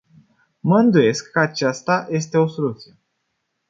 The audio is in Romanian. Mă îndoiesc că aceasta este o soluție.